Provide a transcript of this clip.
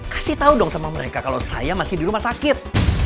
kasih tahu dong sama mereka kalau saya masih di rumah sakit